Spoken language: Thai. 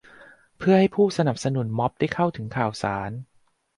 เพื่อให้ผู้สนับสนุนม็อบได้เข้าถึงข่าวสาร